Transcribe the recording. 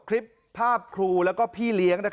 คลิปภาพครูแล้วก็พี่เลี้ยง